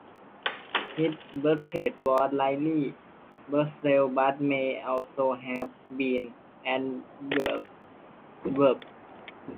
His birthplace was likely Brussels but may also have been Antwerp.